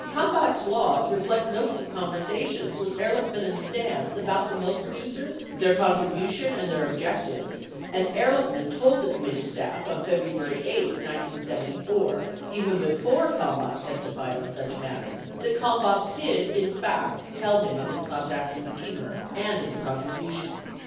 75 Kalmbacb's logs reflect notes of conversations with Ehrlichman and Stans about the milk pro ducers, tileir contribution and their objectives, and Ehrlichman told the committee staff on February 8, 1974 (even before Kalmbach testi fied on such matters) that Kalmbach did in fact tell him of his contact with Semer and of the contribution.